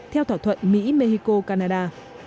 theo thỏa thuận mỹ mexico canada